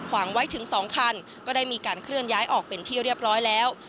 ขวางไว้ถึง๒คันก็ได้มีการเคลื่อนย้ายออกเป็นที่เรียบร้อยแล้ว